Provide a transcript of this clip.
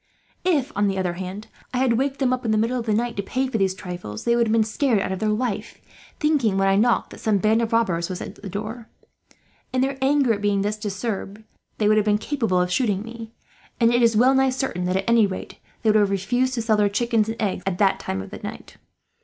If, on the other hand, I had waked them up in the middle of the night to pay for these trifles, they would have been scared out of their life; thinking, when I knocked, that some band of robbers was at the door. In their anger at being thus disturbed they would have been capable of shooting me; and it is well nigh certain that, at any rate, they would have refused to sell their chickens and eggs at that time of the night.